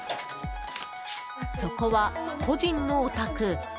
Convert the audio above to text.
そこは個人のお宅。